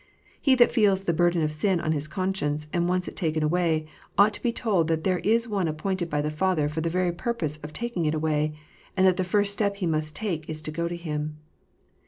He that feels the burden of sin on his conscience and wants it taken away, ought to be told that there is One appointed by the Father for the very purpose of taking it away, and that the first step he must take is to go to Him.